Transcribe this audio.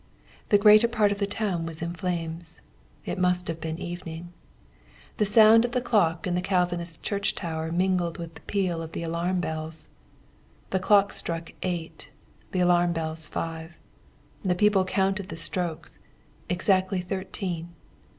The greater part of the town was in flames. It must have been evening. The sound of the clock in the Calvinist church tower mingled with the peal of the alarm bells. The clock struck eight, the alarm bells five. The people counted the strokes: exactly thirteen.